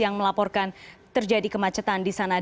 yang melaporkan terjadi kemacetan di sana